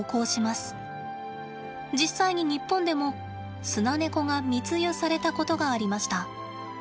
実際に日本でもスナネコが密輸されたことがありました。